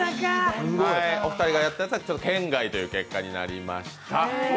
お二人がやったやつは圏外という結果になりました。